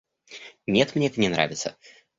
Нет, мне это не нравится.